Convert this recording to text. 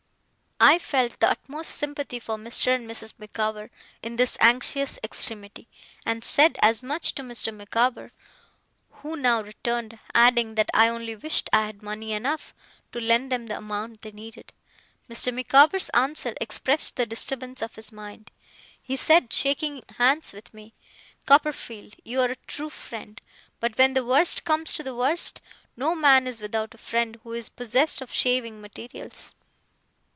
I felt the utmost sympathy for Mr. and Mrs. Micawber in this anxious extremity, and said as much to Mr. Micawber, who now returned: adding that I only wished I had money enough, to lend them the amount they needed. Mr. Micawber's answer expressed the disturbance of his mind. He said, shaking hands with me, 'Copperfield, you are a true friend; but when the worst comes to the worst, no man is without a friend who is possessed of shaving materials.